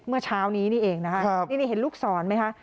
เมื่อเช้านี้นี่เองนะคะนี่เห็นลูกศรไหมคะ